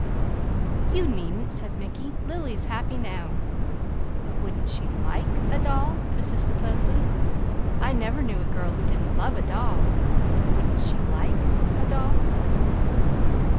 "You needn't!" said Mickey. "Lily is happy now." "But wouldn't she like a doll?" persisted Leslie. "I never knew a girl who didn't love a doll. Wouldn't she like a doll?"